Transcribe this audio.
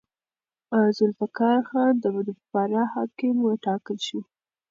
ذوالفقار خان د فراه حاکم وټاکل شو.